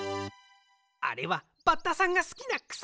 あれはバッタさんがすきなくさ。